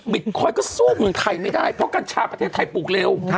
คอยก็สู้เมืองไทยไม่ได้เพราะกัญชาประเทศไทยปลูกเร็ว